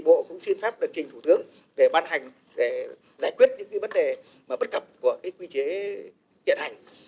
được trình thủ tướng để ban hành để giải quyết những cái vấn đề mà bất cập của cái quy chế tiện hành